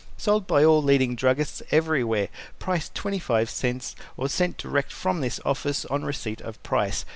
Sold by all leading druggists everywhere. Price 25 cents or sent direct from this office on receipt of price.